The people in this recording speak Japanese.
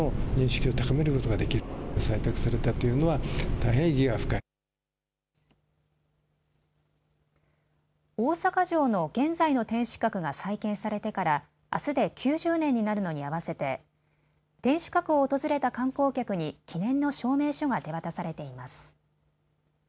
大阪城の現在の天守閣が再建されてから、あすで９０年になるのに合わせて天守閣を訪れた観光客に記念の証明書が手渡されています。